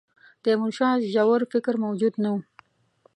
تیمورشاه ژور فکر موجود نه وو.